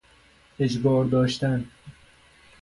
اجبار داشتن